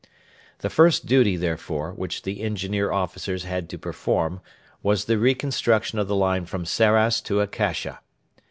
The first duty, therefore, which the Engineer officers had to perform was the reconstruction of the line from Sarras to Akasha.